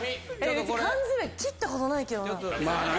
缶詰、切ったことないけどな。